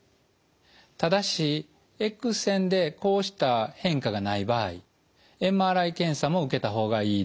ただしエックス線でこうした変化がない場合ＭＲＩ検査も受けた方がいいです。